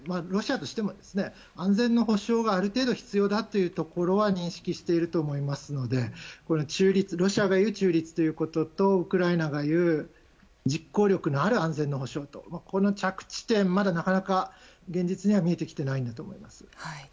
ロシアとしても安全の保障はある程度、必要だというところは認識していると思いますのでロシアがいう中立ということとウクライナがいう実行力のある安全の保障というのはこの着地点、まだなかなか現実には見えてきていないと思います。